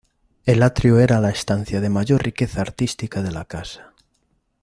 El atrio era la estancia de mayor riqueza artística de la casa.